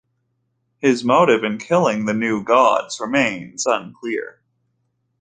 His motive in killing the New Gods remains unclear.